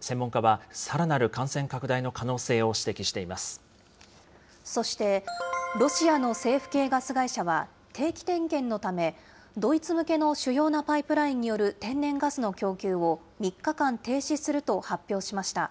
専門家は、さらなる感染拡大の可そして、ロシアの政府系ガス会社は、定期点検のため、ドイツ向けの主要なパイプラインによる天然ガスの供給を３日間停止すると発表しました。